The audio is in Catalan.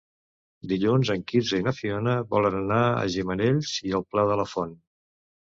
Dilluns en Quirze i na Fiona volen anar a Gimenells i el Pla de la Font.